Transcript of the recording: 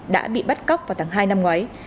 đã bị bắt cóc vào tháng hai năm ngoái